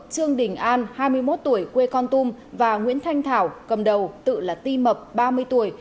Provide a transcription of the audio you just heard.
trương đình an hai mươi một tuổi quê con tum và nguyễn thanh thảo cầm đầu tự là ti mập ba mươi tuổi